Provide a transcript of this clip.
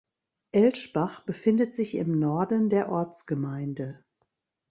Elschbach befindet sich im Norden der Ortsgemeinde.